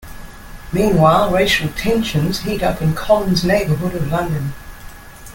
Meanwhile, racial tensions heat up in Colin's neighbourhood of London.